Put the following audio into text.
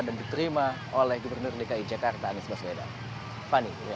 dan diterima oleh gubernur dki jakarta anies baswedan